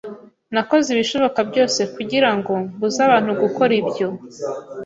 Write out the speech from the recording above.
Nakoze ibishoboka byose kugirango mbuze abantu gukora ibyo.